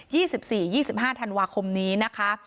ี่สิบสี่ยี่สิบห้าธันวาคมนี้นะคะ